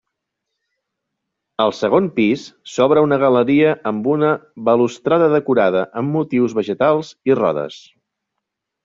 Al segon pis s'obre una galeria amb una balustrada decorada amb motius vegetals i rodes.